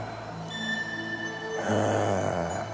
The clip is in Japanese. へえ。